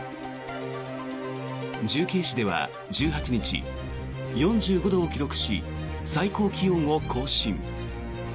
重慶市では１８日、４５度を記録し最高気温を更新。